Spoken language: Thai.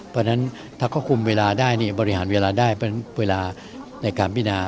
เพราะฉะนั้นถ้าเขาคุมเวลาได้บริหารเวลาได้เป็นเวลาในการพินา